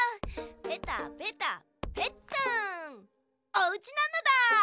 おうちなのだ。